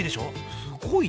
すごいね。